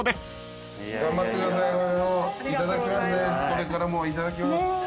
これからもいただきます。